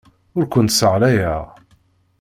Ur kent-sseɣyaleɣ.